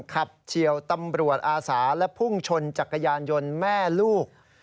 เฉียวตำรวจอาสาและพุ่งชนจักรยานยนต์แม่ลูก